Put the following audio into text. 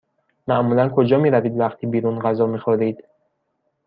معمولا کجا می روید وقتی بیرون غذا می خورید؟